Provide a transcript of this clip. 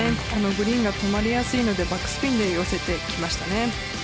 グリーン、止まりやすいのでバックスピンで寄せてきましたね。